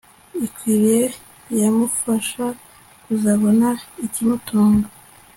ikwiriye yamufasha kuzabona ikimutunga